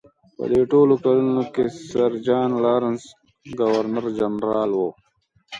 په دې ټولو کلونو کې سر جان لارنس ګورنر جنرال و.